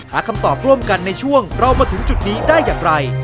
หาคำตอบร่วมกันในช่วงเรามาถึงจุดนี้ได้อย่างไร